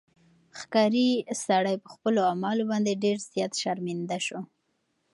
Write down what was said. ښکاري سړی په خپلو اعمالو باندې ډېر زیات شرمنده شو.